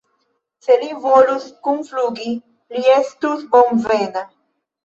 Se li volus kunflugi, li estus bonvena.